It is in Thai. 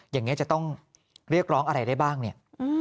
อย่างนี้จะต้องเรียกร้องอะไรได้บ้างเนี่ย